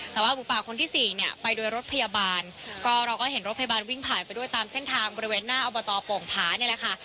แต่ว่าหมูป่าคนที่สี่เนี่ยไปโดยรถพยาบาลก็เราก็เห็นรถพยาบาลวิ่งผ่านไปด้วยตามเส้นทางบริเวณหน้าอบตโป่งผานี่แหละค่ะ